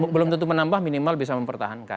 belum tentu menambah minimal bisa mempertahankan